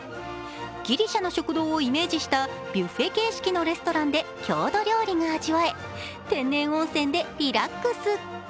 ギリシャの食堂をイメージしたビュッフェ形式のレストランで郷土料理が味わえ、天然温泉でリラックス。